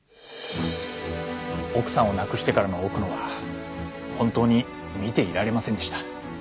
奥さんを亡くしてからの奥野は本当に見ていられませんでした。